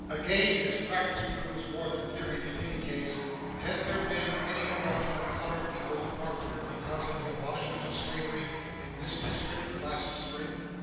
Again, as practice proves more than theory in any case, has there been any irruption of colored people northward because of the abolishment of slavery in this District last spring?